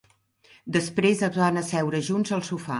Després es van asseure junts al sofà.